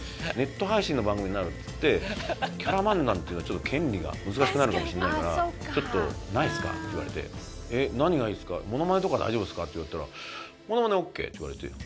「ネット配信の番組になる」っつって「キャラ漫談っていうのはちょっと権利が難しくなるかもしれないからちょっとないですか？」って言われて「何がいいですか？モノマネとか大丈夫ですか？」って言ったら「モノマネオッケー」って言われて。